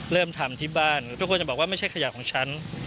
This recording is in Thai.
เริ่มทำที่บ้านทุกคนจะบอกว่าไม่ใช่ขยะของฉัน